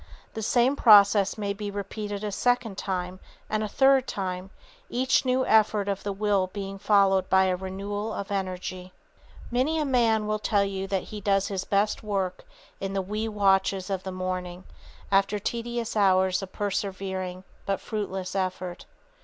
The same process may be repeated a second time and a third time, each new effort of the will being followed by a renewal of energy. [Sidenote: Reserve Supplies of Power] Many a man will tell you that he does his best work in the wee watches of the morning, after tedious hours of persevering but fruitless effort.